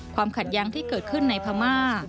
ความขัดย้างที่เกิดขึ้นในพม่า